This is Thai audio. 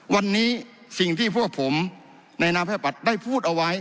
วันนี้สิ่งที่พวกผมในนามแพทย์บัตรได้พูดเอาไว้